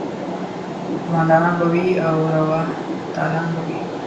قوماندانان به وي او روا تالان به وي.